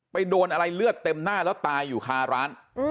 โดนอะไรเลือดเต็มหน้าแล้วตายอยู่คาร้าน